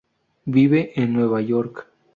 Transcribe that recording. Vivien en Nueva York.